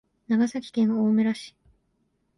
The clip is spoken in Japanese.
長崎県大村市